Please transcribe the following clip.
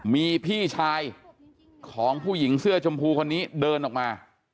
มีพี่ชายของผู้หญิงเสื้อชมพูคนนี้เดินออกมา